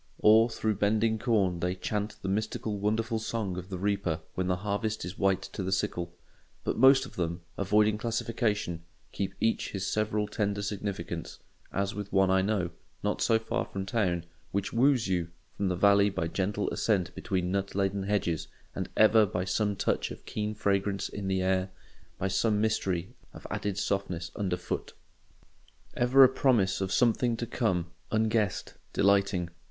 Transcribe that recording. Or through bending corn they chant the mystical wonderful song of the reaper when the harvest is white to the sickle. But most of them, avoiding classification, keep each his several tender significance; as with one I know, not so far from town, which woos you from the valley by gentle ascent between nut laden hedges, and ever by some touch of keen fragrance in the air, by some mystery of added softness under foot—ever a promise of something to come, unguessed, delighting.